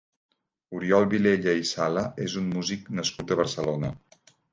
Oriol Vilella i Sala és un music nascut a Barcelona.